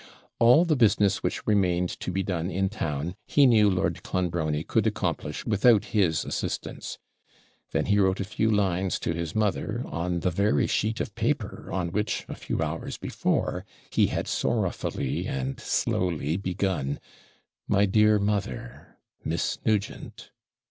All the business which remained to be done in town he knew Lord Clonbrony could accomplish without his assistance. Then he wrote a few lines to his mother, on the very sheet of paper on which, a few hours before, he had sorrowfully and slowly begun MY DEAR MOTHER MISS NUGENT.